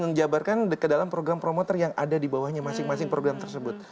menjabarkan ke dalam program promoter yang ada di bawahnya masing masing program tersebut